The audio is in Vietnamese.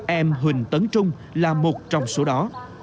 em huỳnh tấn trung là một trong số đó